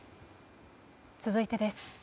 続いてです。